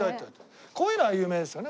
こういうのが有名ですよね